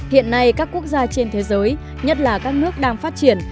hiện nay các quốc gia trên thế giới nhất là các nước đang phát triển